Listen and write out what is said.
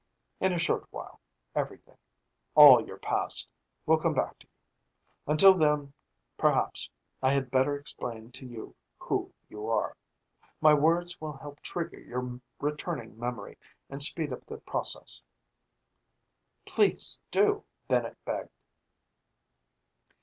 "In a short while, everything all your past will come back to you. Until then, perhaps I had better explain to you who you are. My words will help trigger your returning memory, and speed up the process." "Please do," Bennett begged.